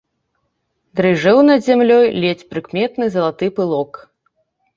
Дрыжэў над зямлёй ледзь прыкметны залаты пылок.